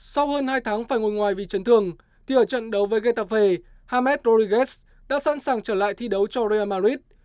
sau hơn hai tháng phải ngồi ngoài vì chấn thương thì ở trận đấu với getafe hamed rodriguez đã sẵn sàng trở lại thi đấu cho real madrid